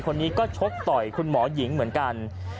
คนนี้ก็ชกต่อยคุณหมอหญิงเหมือนกัน